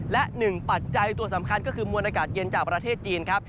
และหนึ่งปัจจัยตัวสำคัญก็คือมวลอากาศเย็นจากประเทศจีนครับ